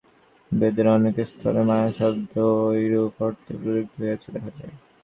বেদের অনেক স্থলে মায়া-শব্দ ঐরূপ অর্থে প্রযুক্ত হইয়াছে দেখা যায়।